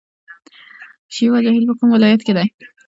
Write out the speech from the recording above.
شیوا جهیل په کوم ولایت کې دی؟